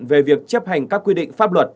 về việc chấp hành các quy định pháp luật